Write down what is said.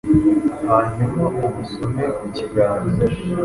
hanyuma umusome ku kiganza